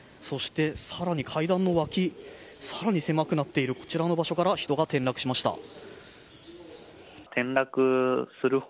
そして、更に階段の脇更に狭くなっているこちらの場所から人が転落しました。